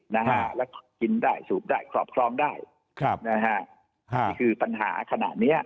นะฮะและกินได้สูบได้คอบครองได้คับนะฮะค่ะมันคือปัญหาขนาดเนี้ย